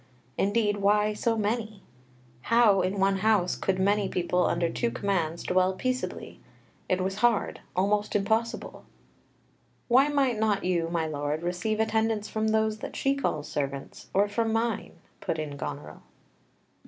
Indeed, why so many? How, in one house, could many people under two commands dwell peaceably? It was hard, almost impossible. "Why might not you, my lord, receive attendance from those that she calls servants, or from mine?" put in Goneril.